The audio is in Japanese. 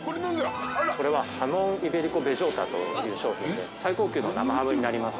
◆これは、ハモンイベリコベジョータという商品で、最高級の生ハムになります。